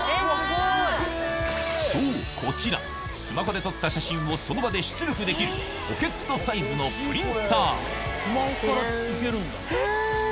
そうこちらスマホで撮った写真をその場で出力できるポケットサイズのチラン。